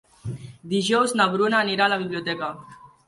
Dijous na Bruna anirà a la biblioteca.